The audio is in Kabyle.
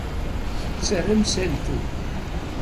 Tter amsaltu.